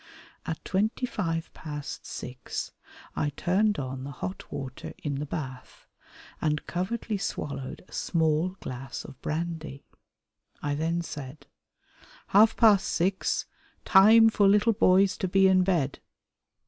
At twenty five past six I turned on the hot water in the bath, and covertly swallowed a small glass of brandy. I then said, "Half past six; time for little boys to be in bed."